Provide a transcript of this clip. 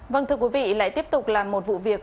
vâng thưa quý vị lại tiếp tục là một vụ việc